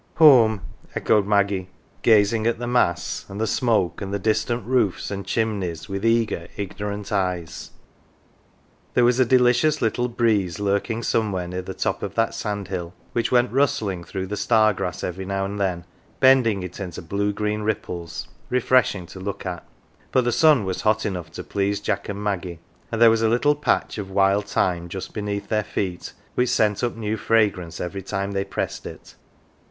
" Home,"" echoed Maggie gazing at the masts, and the smoke, and the distant roofs and chimneys with eager, ignorant eyes. There was a delicious little breeze lurking somewhere near the top of that sand hill, which went rustling through the star grass every now and then, bending it into blue green ripples, refreshing to look at ; but the sun was hot enough to please Jack and Maggie, and there was a little patch of wild thyme just beneath their feet which sent up new fragrance every time they pressed 206 LITTLE PAUPERS it.